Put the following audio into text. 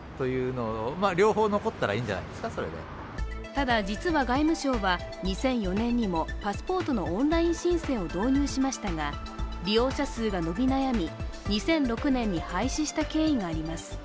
ただ、実は外務省は２００４年にもパスポートのオンライン申請を導入しましたが利用者数が伸び悩み、２００６年に廃止した経緯があります。